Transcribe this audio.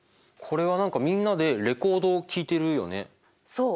そう。